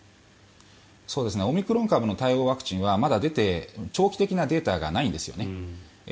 オミクロン株の対応ワクチンはまだ長期的なデータがないんですね。